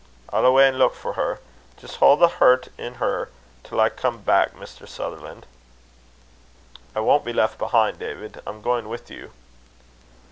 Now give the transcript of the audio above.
"I'll awa' an' leuk for her. Just haud the hert in her till I come back, Mr. Sutherlan'." "I won't be left behind, David. I'm going with you."